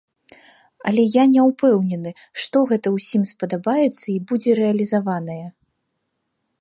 Але я не ўпэўнены, што гэта ўсім спадабаецца і будзе рэалізаванае.